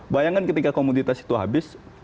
bayangkan ketika komoditas itu habis